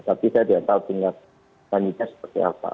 tapi saya tidak tahu tingkat wanita seperti apa